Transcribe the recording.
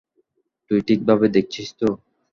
তুই ঠিকভাবে দেখছিস তো?